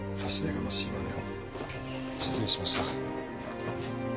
がましいまねを失礼しました